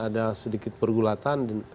ada sedikit pergulatan